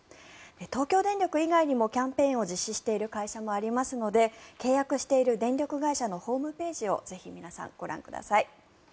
東京電力以外にもキャンペーンを実施している会社もありますので契約している電力会社のホームページをぜひ皆さんご覧ください。